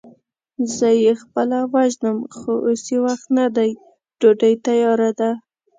زه يې خپله وژنم، خو اوس يې وخت نه دی، ډوډۍ تياره ده.